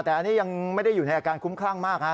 แต่อันนี้ยังไม่ได้อยู่ในอาการคุ้มคลั่งมากฮะ